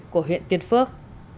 của huyện tiên phước